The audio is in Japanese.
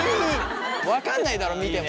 分かんないだろ見ても。